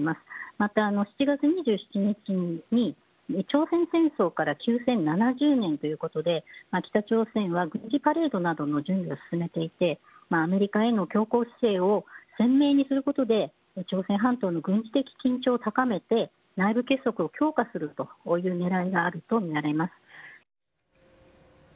また７月２２日に朝鮮戦争から７０年ということで北朝鮮はルートなどの準備を進めていてアメリカへの強硬姿勢を鮮明にすることで朝鮮半島の軍事的緊張を高めて内部結束を強化するという狙いがあるとみられます。